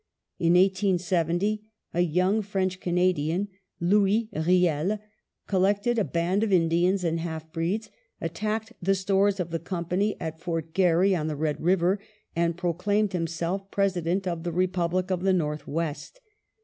In 1870, a young French Canadian, Louis Kiel, collected a band of Indians and half breeds, attacked the stores of the Company at Foii; Garry on the Red River, and proclaimed himself President of the Republic of the North West.